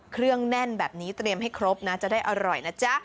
เครื่องแน่นแบบนี้เตรียมให้ครบนะจะได้อร่อยนะจ๊ะ